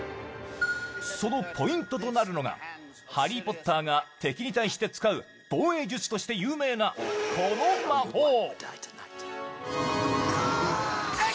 そのポイントとなるのが、ハリー・ポッターが敵に対して使う、防衛術として有名なこの魔法。